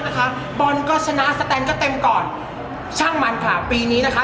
นะคะด้วยชนะแไท้เองก็จำก่อนชังมันค่ะปีนี้นะคะ